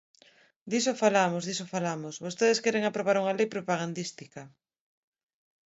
Diso falamos, diso falamos, vostedes queren aprobar unha lei propagandística.